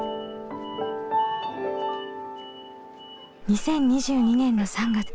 ２０２２年の３月。